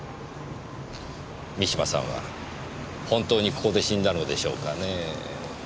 三島さんは本当にここで死んだのでしょうかねぇ。